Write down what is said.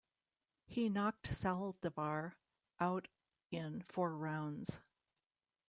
He knocked Saldivar out in four rounds.